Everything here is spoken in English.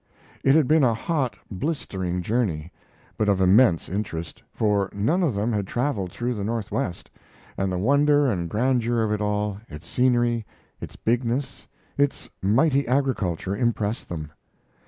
It had been a hot, blistering journey, but of immense interest, for none of them had traveled through the Northwest, and the wonder and grandeur of it all, its scenery, its bigness, its mighty agriculture, impressed them.